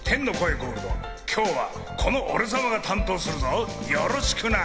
ゴールド、今日はこの俺様が担当するぞ、よろしくな！